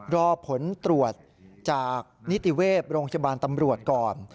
รอผลตรวจจากนิติเวศโรงพยาบาลตำรวจก่อน